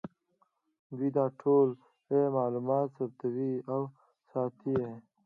دوی دا ټول معلومات ثبتوي او ساتي یې